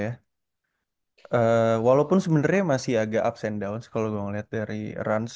eh walaupun sebenernya masih agak ups and downs kalo gue ngeliat dari ranz